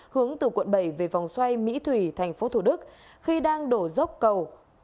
hướng từ quận bảy về vòng xoay mỹ thủy thành phố thổ đức khi đang đổ dốc cầu